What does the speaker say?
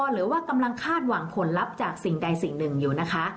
หรือว่ากำลังคาดหวังผลลัพธ์จากสิ่งใดสิ่งหนึ่งอยู่นะคะ